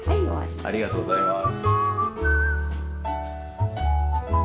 ありがとうございます。